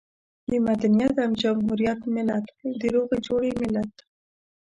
د مدنيت او جمهوريت ملت، د روغې جوړې ملت.